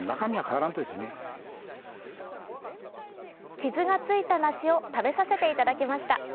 傷がついた梨を食べさせていただきました。